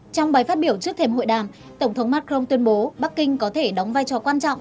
trong bài phát biểu trước thềm hội đàm tổng thống macron tuyên bố bắc kinh có thể đóng vai trò quan trọng